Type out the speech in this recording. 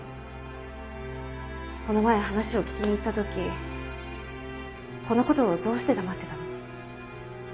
この前話を聞きに行った時この事をどうして黙ってたの？